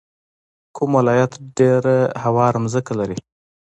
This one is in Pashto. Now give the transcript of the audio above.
کوم ولایت ډیره هواره ځمکه لري؟